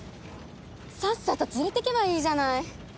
さっさと連れてけばいいじゃない。